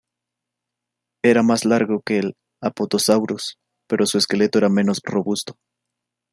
Era más largo que el "Apatosaurus", pero su esqueleto era menos robusto.